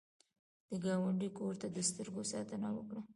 د ګاونډي کور ته د سترګو ساتنه وکړه